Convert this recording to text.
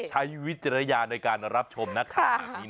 ใช้วิจารยาในการรับชมนะคะ